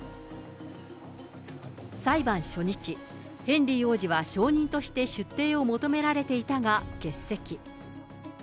裁判初日、ヘンリー王子は証人として出廷を求められていたが欠席。